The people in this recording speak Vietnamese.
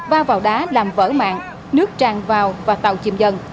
va vào đá làm vỡ mạng nước tràn vào và tàu chìm dần